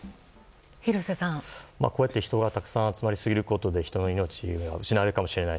こうやって人がたくさん集まりすぎることで命が失われるかもしれない。